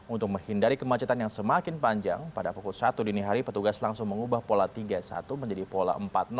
untuk menghindari kemacetan yang semakin panjang pada pukul satu dini hari petugas langsung mengubah pola tiga puluh satu menjadi pola empat